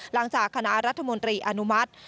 หลังจากคณะรัฐมนตรีอนุมัติ